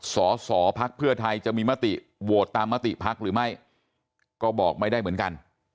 สอสอพักเพื่อไทยจะมีมติโหวตตามมติภักดิ์หรือไม่ก็บอกไม่ได้เหมือนกัน